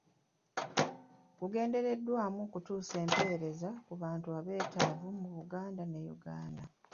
Gugendereddwamu okutuusa empereeza ku bantu abeetaavu mu Buganda ne Yuganda.